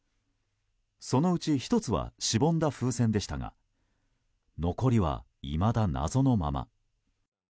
そのうち１つはしぼんだ風船でしたが残りはいまだ謎のまま。